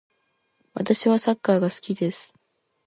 私はサッカーが好きです。